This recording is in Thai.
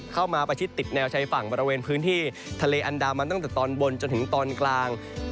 ประชิดติดแนวชายฝั่งบริเวณพื้นที่ทะเลอันดามันตั้งแต่ตอนบนจนถึงตอนกลาง